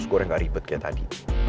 coba ues juga gak ribet kaya tadi